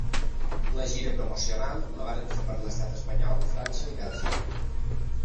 La gira promocional la varen fer per l'estat espanyol, França i Bèlgica.